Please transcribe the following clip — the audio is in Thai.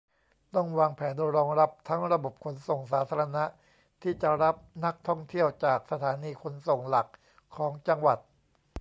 ต้องวางแผนรองรับ ทั้งระบบขนส่งสาธารณะ ที่จะรับนักท่องเที่ยวจากสถานีขนส่งหลักของจังหวัด